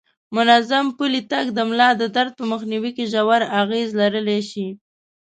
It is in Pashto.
منظم پلی تګ د ملا د درد په مخنیوي کې ژور اغیز لرلی شي.